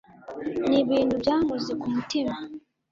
nibintu byankoze ku mutima.